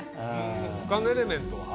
他のエレメントは？